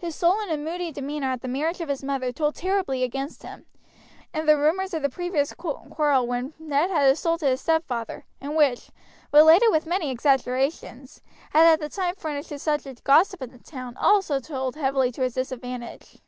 His sullen and moody demeanor at the marriage of his mother told terribly against him, and the rumors of the previous quarrel when Ned had assaulted his stepfather, and which, related with many exaggerations, had at the time furnished a subject of gossip in the town, also told heavily to his disadvantage.